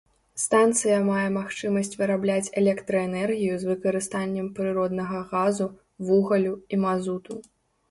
Станцыя мае магчымасць вырабляць электраэнергію з выкарыстаннем прыроднага газу, вугалю і мазуту.